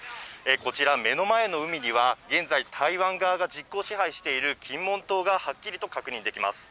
こちら、目の前の海には現在、台湾側が実効支配している金門島がはっきりと確認できます。